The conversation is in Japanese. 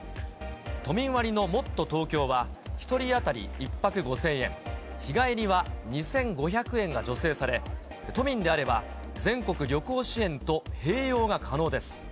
都民割のもっとＴｏｋｙｏは、１人当たり１泊５０００円、日帰りは２５００円が助成され、都民であれば、全国旅行支援と併用が可能です。